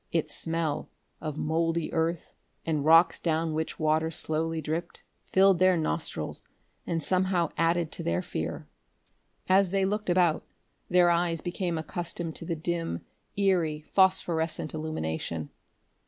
Its smell, of mouldy earth and rocks down which water slowly dripped, filled their nostrils and somehow added to their fear. As they looked about, their eyes became accustomed to the dim, eery, phosphorescent illumination.